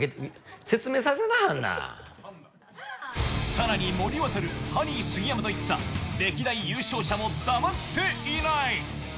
更に森渉、ハリー杉山といった歴代優勝者も黙っていない。